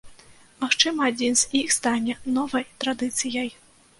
Магчыма, адзін з іх стане новай традыцыяй.